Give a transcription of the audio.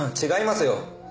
違いますよ。